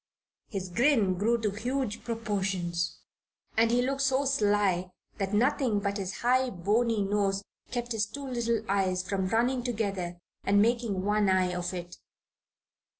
His grin grew to huge proportions, and he looked so sly that nothing but his high, bony nose kept his two little eyes from running together and making one eye of it.